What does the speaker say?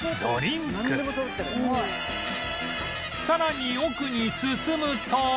さらに奥に進むと